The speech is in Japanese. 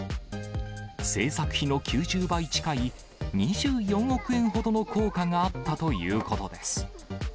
制作費の９０倍近い、２４億円ほどの効果があったということです。